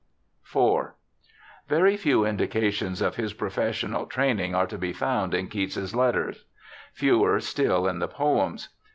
IV Very few indications of his professional training are to be found in Keats's letters ; fewer still in the poems.